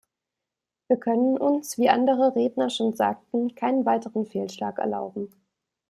Wir können uns, wie andere Redner schon sagten, keinen weiteren Fehlschlag erlauben.